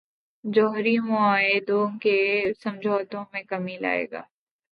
جوہری معاہدے کے سمجھوتوں میں کمی لائے گا۔